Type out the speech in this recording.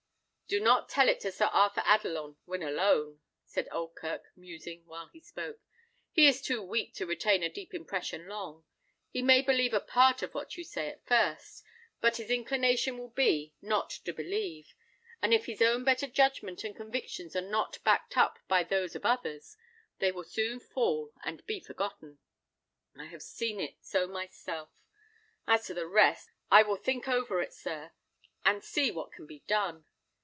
"Do not tell it to Sir Arthur when alone," said Oldkirk, musing while he spoke. "He is too weak to retain a deep impression long; he may believe a part of what you say at first, but his inclination will be, not to believe, and if his own better judgment and convictions are not backed up by those of others, they will soon fall and be forgotten. I have seen it so myself. As to the rest, I will think over it, sir, and see what can be done.